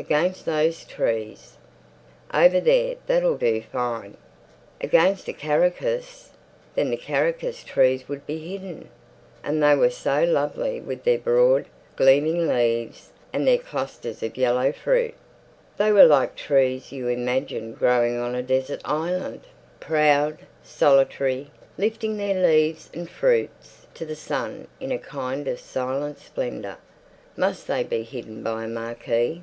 Against those trees. Over there. That'll do fine." Against the karakas. Then the karaka trees would be hidden. And they were so lovely, with their broad, gleaming leaves, and their clusters of yellow fruit. They were like trees you imagined growing on a desert island, proud, solitary, lifting their leaves and fruits to the sun in a kind of silent splendour. Must they be hidden by a marquee?